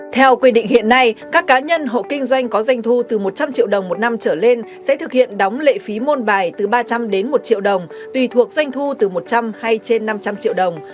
theo quy định hiện nay các cá nhân hộ kinh doanh có doanh thu từ một trăm linh triệu đồng một năm trở lên sẽ thực hiện đóng lệ phí môn bài từ ba trăm linh đến một triệu đồng tùy thuộc doanh thu từ một trăm linh hay trên năm trăm linh triệu đồng